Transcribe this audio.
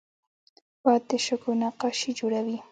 باد د شګو نقاشي جوړوي